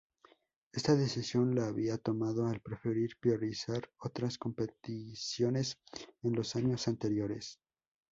Esta decisión la había tomado al preferir priorizar otras competiciones en los años anteriores.